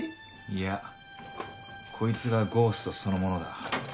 いやこいつがゴーストそのものだ。